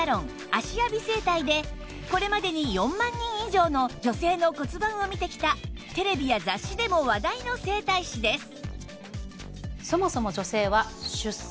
芦屋美整体でこれまでに４万人以上の女性の骨盤を見てきたテレビや雑誌でも話題の整体師です